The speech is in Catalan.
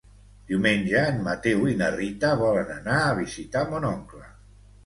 Diumenge en Mateu i na Rita volen anar a visitar mon oncle.